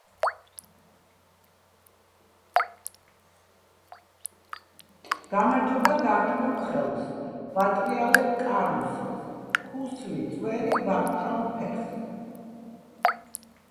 გამარჯობა გართმევ ხელს ვატრიალებ კარუსელს ქუსლი წვერი ვარტყამ ფეხს